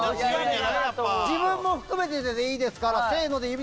自分も含めてでいいですから。